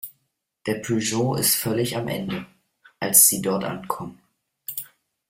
Der Peugeot ist völlig am Ende, als sie dort ankommen.